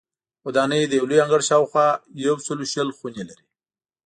ودانۍ د یو لوی انګړ شاوخوا په سلو شل خونې لري.